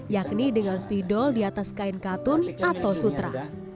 yakni dengan spidol di atas kain katun atau sutra